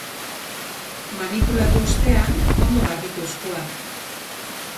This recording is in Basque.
Manipulatu ostean, ondo garbitu eskuak.